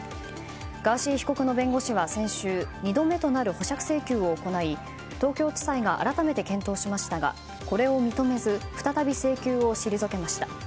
ガーシー被告の弁護士は先週２度目となる保釈請求を行い東京地裁が改めて検討しましたがこれを認めず再び請求を退けました。